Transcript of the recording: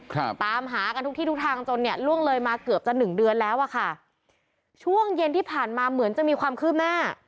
ครับตามหากันทุกที่ทุกทางจนเนี่ยล่วงเลยมาเกือบจะหนึ่งเดือนแล้วอ่ะค่ะช่วงเย็นที่ผ่านมาเหมือนจะมีความคืบหน้า